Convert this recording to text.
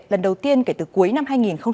lần đầu tiên kể từ cuối năm hai nghìn hai mươi hai